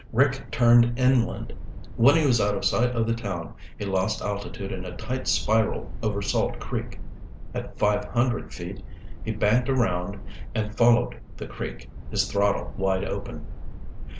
Rick turned inland. When he was out of sight of the town, he lost altitude in a tight spiral over Salt Creek. At five hundred feet, he banked around and followed the creek, his throttle wide open.